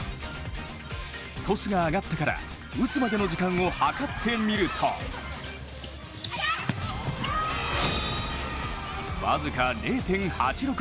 トスが上がってから打つまでの時間を計ってみると僅か０．８６秒。